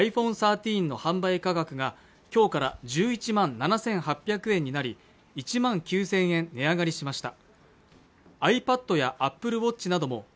ｉＰｈｏｎｅ１３の販売価格がきょうから１１万７８００円になり１万９０００円値上がりしましたｉＰａｄ